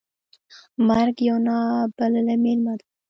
مرګ یو نا بللی میلمه ده .